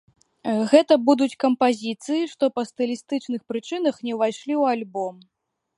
Гэта будуць кампазіцыі, што па стылістычных прычынах не ўвайшлі ў альбом.